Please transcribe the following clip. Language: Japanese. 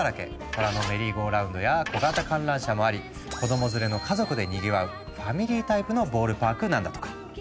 虎のメリーゴーラウンドや小型観覧車もあり子ども連れの家族でにぎわうファミリータイプのボールパークなんだとか。